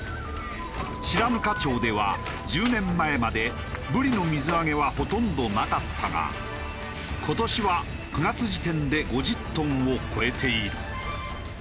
白糠町では１０年前までブリの水揚げはほとんどなかったが今年は９月時点で５０トンを超えている。